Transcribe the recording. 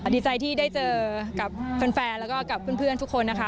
ดีใจที่ได้เจอกับแฟนแล้วก็กับเพื่อนทุกคนนะคะ